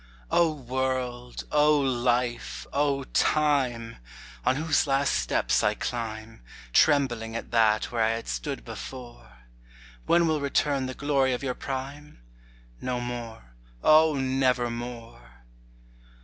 O World! O Life! O Time! On whose last steps I climb, Trembling at that where I had stood before; When will return the glory of your prime? No more, O nevermore!